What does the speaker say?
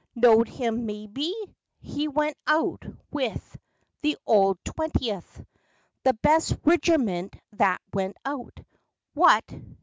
Knowed him, mebbe? He went out with the old twentieth, The best rigerment that went out! What!